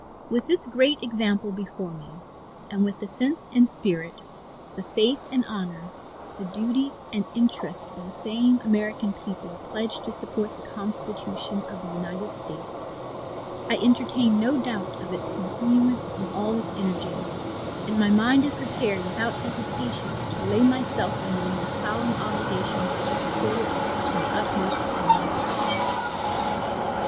With this great example before me, with the sense and spirit, the faith and honor, the duty and interest, of the same American people pledged to support the Constitution of the United States, I entertain no doubt of its continuance in all its energy, and my mind is prepared without hesitation to lay myself under the most solemn obligations to support it to the utmost of my power.